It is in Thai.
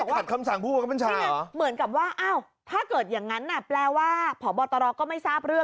แล้วไปชาวค้นไม่ใช่ไปรายงานหลังจากที่ค้นไปแล้ว